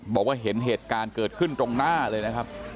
บอกว่าเห็นเหตุการณ์เกิดขึ้นตรงหน้าเลยนะครับ